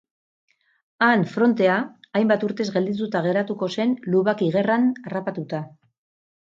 Han frontea hainbat urtez geldituta geratuko zen lubaki-gerran harrapatuta.